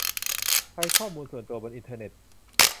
ภัยข้อมูลส่วนตัวบนอินเทอร์เน็ต